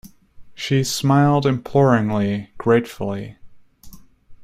She smiled imploringly, gratefully.